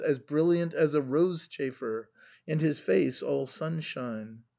as brilliant as a rose chafer/ and his face all sunshine.